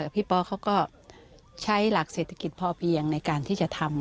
พี่ปอเขาก็ใช้หลักเศรษฐกิจพอเพียงในการที่จะทำ